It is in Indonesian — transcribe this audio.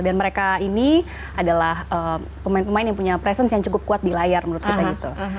dan mereka ini adalah pemain pemain yang punya presence yang cukup kuat di layar menurut kita gitu